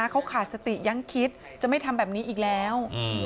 เขาขาดสติยังคิดจะไม่ทำแบบนี้อีกแล้ว